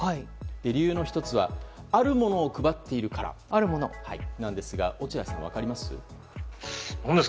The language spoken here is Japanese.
理由の１つはあるものを配っているからなんですが落合さん、分かります？